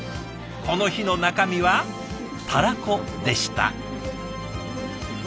この日の中身はたらこでした。